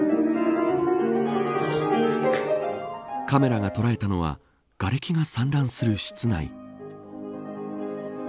カメラが捉えたのは瓦れきが散乱する室内。